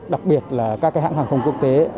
đặc biệt là các hãng hàng không quốc tế